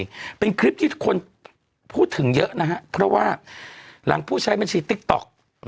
นี่เป็นคลิปที่คนพูดถึงเยอะนะฮะเพราะว่าหลังผู้ใช้บัญชีติ๊กต๊อก